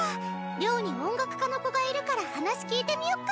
寮に音楽科の子がいるから話聞いてみよっか？